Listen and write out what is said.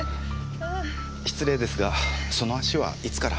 失礼ですがその足はいつから？